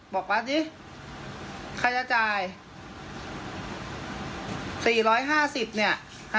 บอกปั๊ดนี้ใครจะจ่าย๔๕๐เนี่ย